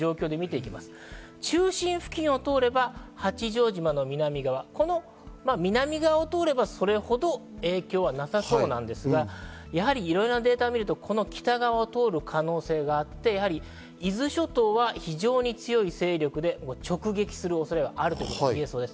中心付近を通れば八丈島の南側、南側を通ればそれほど影響はなさそうなんですが、いろいろなデータを見ると北側を通る可能性があって伊豆諸島は非常に強い勢力で直撃する恐れがあると言えそうです。